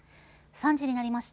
３時になりました。